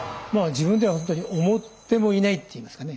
自分ではほんとに思ってもいないっていいますかね